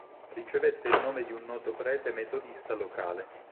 Ricevette il nome di un noto prete metodista locale.